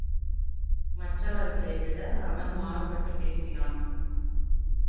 மற்ற வர்களைவிட அவன் மாறுபட்டுப் பேசினான்.